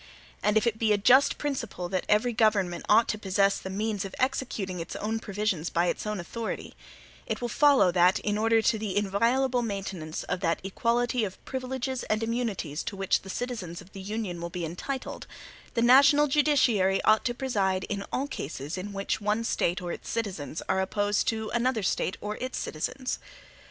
And if it be a just principle that every government ought to possess the means of executing its own provisions by its own authority, it will follow, that in order to the inviolable maintenance of that equality of privileges and immunities to which the citizens of the Union will be entitled, the national judiciary ought to preside in all cases in which one State or its citizens are opposed to another State or its citizens.